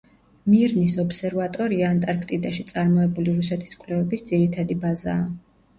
მირნის ობსერვატორია ანტარქტიდაში წარმოებული რუსეთის კვლევების ძირითადი ბაზაა.